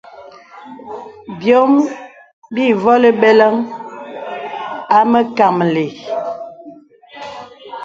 Byɔm bîvolī benəŋ a məkàməlì.